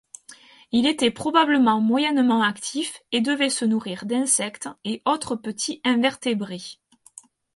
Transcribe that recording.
Il était probablement moyennement actif et devait se nourrir d'insectes et autres petits invertébrés.